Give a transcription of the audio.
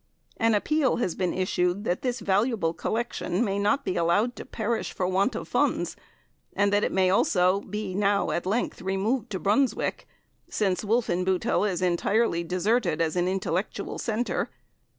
An appeal has been issued that this valuable collection may not be allowed to perish for want of funds, and that it may also be now at length removed to Brunswick, since Wolfenbuttel is entirely deserted as an intellectual centre.